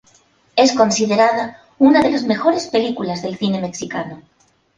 Es considerada una de las mejores películas del cine mexicano.